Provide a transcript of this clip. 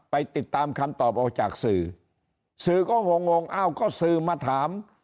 ไปติดตามคำตอบออกจากสื่อสื่อก็งงงอ้าวก็สื่อมาถาม